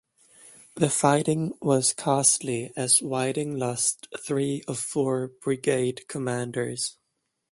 The fighting was costly as Whiting lost three of four brigade commanders.